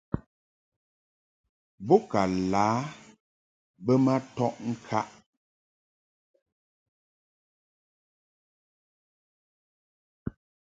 Bo ka lǎ bə ma tɔʼ ŋkaʼ.